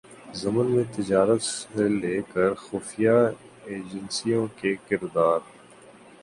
ضمن میں تجارت سے لے کرخفیہ ایجنسیوں کے کردار